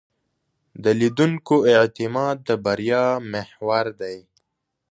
د لیدونکو اعتماد د بریا محور دی.